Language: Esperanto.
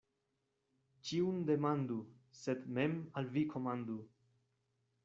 Ĉiun demandu, sed mem al vi komandu.